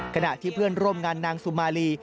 ขณะที่เพื่อนร่วมงานนางสุมาลี